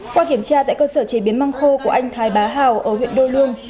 qua kiểm tra tại cơ sở chế biến măng khô của anh thái bá hào ở huyện đô lương